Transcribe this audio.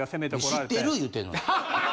知ってる言うてんのに！